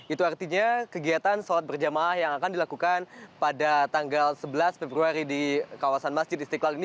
itu artinya kegiatan sholat berjamaah yang akan dilakukan pada tanggal sebelas februari di kawasan masjid istiqlal ini